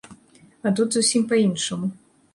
А тут зусім па-іншаму.